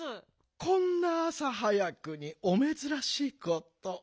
こんなあさはやくにおめずらしいこと。